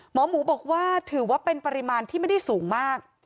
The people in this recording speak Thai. หมอหมูบอกว่าถือว่าเป็นปริมาณที่ไม่ได้สูงมาก